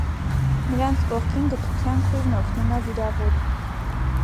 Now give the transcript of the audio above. Նրանց կողքին գթության քույրն օգնում է վիրավորին։